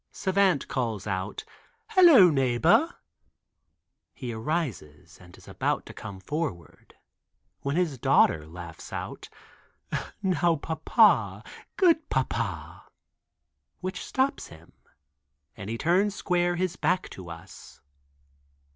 Savant calls out, "Hello, neighbor." He arises and is about to come forward, when his daughter laughs out, "Now papa, good papa," which stops him, and he turns square his back to us.